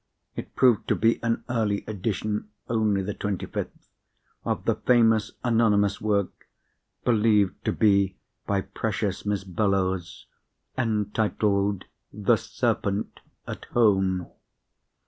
It proved to be an early edition—only the twenty fifth—of the famous anonymous work (believed to be by precious Miss Bellows), entitled The Serpent at Home.